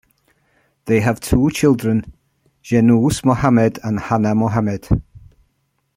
They have two children, Jenuse Mohamed and Hanna Mohamed.